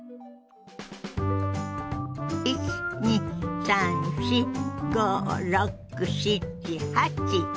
１２３４５６７８。